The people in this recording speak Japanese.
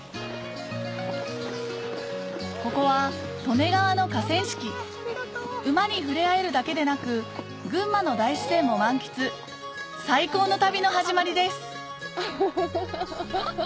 ここは利根川の河川敷馬に触れ合えるだけでなく群馬の大自然も満喫最高の旅の始まりですハハハ！